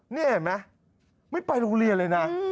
นี่เห็นไหมไม่ไปโรงเรียนเลยนะ